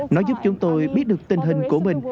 nó giúp chúng tôi biết được tình hình của mình